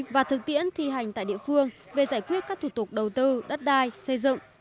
và thực tiễn thi hành tại địa phương về giải quyết các thủ tục đầu tư đất đai xây dựng